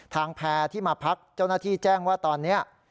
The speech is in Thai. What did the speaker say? แพร่ที่มาพักเจ้าหน้าที่แจ้งว่าตอนนี้